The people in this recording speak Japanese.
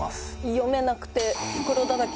読めなくて。